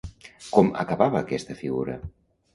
Com acabava aquesta figura?